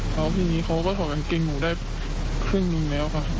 แล้วทีนี้เขาก็ถอดกางเกงหมูได้ครึ่งหนึ่งแล้วค่ะ